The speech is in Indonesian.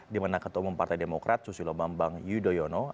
dimana ketua umum partai demokrat susilo bambang yudhoyono